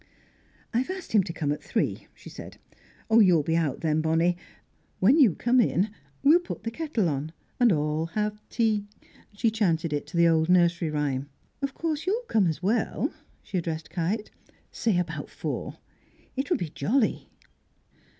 "I've asked him to come at three," she said. "You'll be out then, Bonnie. When you come in we'll put the kettle on, and all have tea." She chanted it, to the old nursery tune. "Of course you'll come as well" she addressed Kite "say about four. It'll be jolly!"